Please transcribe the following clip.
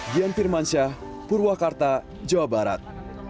dian firmansyah purwakarta jawa barat